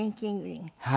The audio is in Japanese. はい。